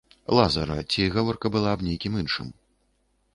Лазара, ці гаворка была аб некім іншым.